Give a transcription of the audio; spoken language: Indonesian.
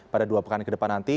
pada dua pekan ke depan nanti